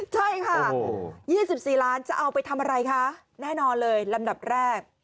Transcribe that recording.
ใช่ค่ะโอ้โหยี่สิบสี่ล้านจะเอาไปทำอะไรคะแน่นอนเลยลำดับแรก